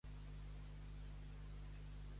Tenir a Déu davant dels ulls.